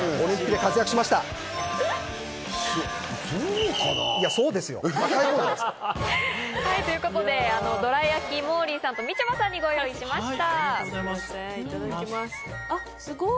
絶対そうですよ。ということで、どら焼き、モーリーさんとみちょぱさんにご用意しました。